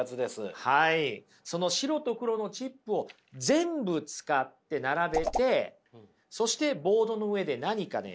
その白と黒のチップを全部使って並べてそしてボードの上で何かね